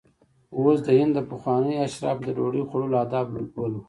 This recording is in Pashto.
اوس د هند د پخوانیو اشرافو د ډوډۍ خوړلو آداب لولو.